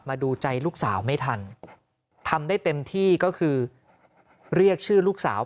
มาดูใจลูกสาวไม่ทันทำได้เต็มที่ก็คือเรียกชื่อลูกสาว